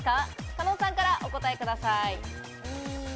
加納さんからお答えください。